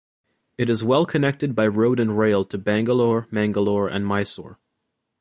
It is well connected by road and rail to Bangalore, Mangalore and Mysore.